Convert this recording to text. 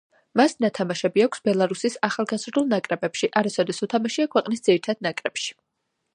მას ნათამაშები აქვს ბელარუსის ახალგაზრდულ ნაკრებებში, არასოდეს უთამაშია ქვეყნის ძირითად ნაკრებში.